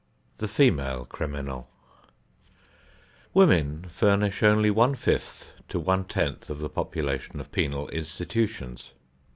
VIII THE FEMALE CRIMINAL Women furnish only one fifth to one tenth of the population of penal institutions.